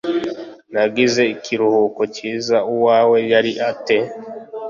Nagize ikiruhuko cyiza Uwawe yari ate